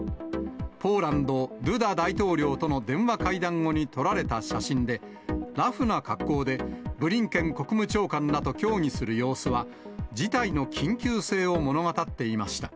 ポーランド、ドゥダ大統領との電話会談後に撮られた写真で、ラフな格好で、ブリンケン国務長官らと協議する様子は、事態の緊急性を物語っていました。